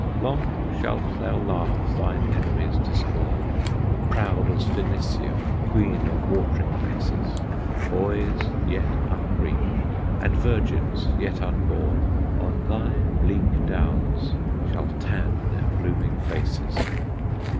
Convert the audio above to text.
Long shalt thou laugh thine enemies to scorn, Proud as Phoenicia, queen of watering places! Boys yet unbreech'd, and virgins yet unborn, On thy bleak downs shall tan their blooming faces.